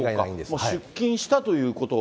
もう出金したということ。